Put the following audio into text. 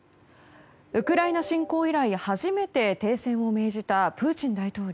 ウクライナ侵攻以来初めて停戦を命じたプーチン大統領。